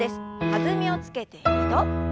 弾みをつけて２度。